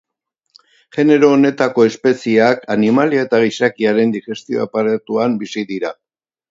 Genero honetako espezieak animalia eta gizakiaren digestio-aparatuan bizi dira.